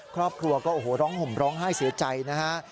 ครอบครัวก็ห่วงห่มร้องห้ายเสียใจนะฮะ